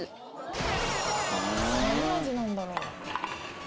何味なんだろう